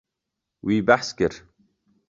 Wî behs kir.